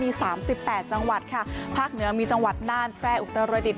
มีสามสิบแปดจังหวัดค่ะภาคเหนือมีจังหวัดน่านแร่อุตรดิษ